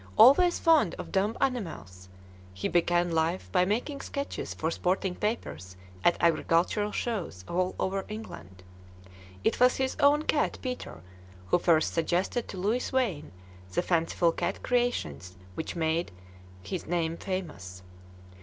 Always fond of dumb animals, he began life by making sketches for sporting papers at agricultural shows all over England. It was his own cat "Peter" who first suggested to Louis Wain the fanciful cat creations which have made his name famous.